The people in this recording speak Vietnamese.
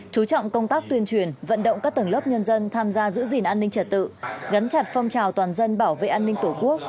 chú trọng công tác tuyên truyền vận động các tầng lớp nhân dân tham gia giữ gìn an ninh trật tự gắn chặt phong trào toàn dân bảo vệ an ninh tổ quốc